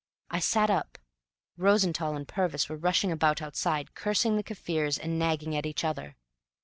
I sat up. Rosenthall and Purvis were rushing about outside, cursing the Kaffirs and nagging at each other.